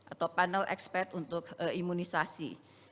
atau panel expert untuk imunisasi